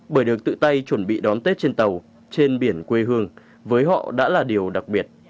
bởi được tự tay chuẩn bị đón tết trên tàu trên biển quê hương với họ đã là điều đặc biệt